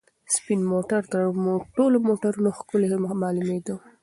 سپین موټر تر ټولو موټرو ښکلی معلومېده.